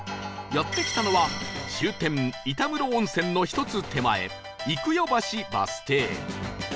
やって来たのは終点板室温泉の１つ手前幾世橋バス停